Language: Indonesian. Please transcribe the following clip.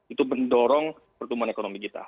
itu mendorong pertumbuhan ekonomi kita